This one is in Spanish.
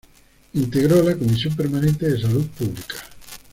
Integró la Comisión Permanente de Salud Pública.